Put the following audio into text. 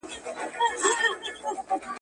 تعصب د ټولنیز عدالت دښمن دی